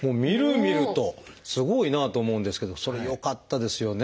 すごいなと思うんですけどそれよかったですよね。